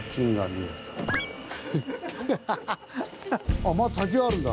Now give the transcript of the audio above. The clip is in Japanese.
あっまだ先があるんだ。